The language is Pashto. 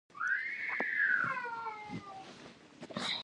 له اطاعت او همکارۍ څخه لاس اخیستل ډیر وخت غواړي.